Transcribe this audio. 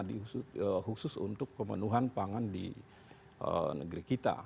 khusus untuk pemenuhan pangan di negeri kita